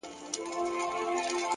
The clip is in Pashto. • مړۍ غوړي سوې د ښار د فقیرانو,